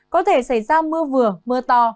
có thể xảy ra mưa vừa mưa to